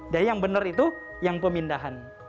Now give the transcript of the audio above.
dan yang benar itu yang pemindahan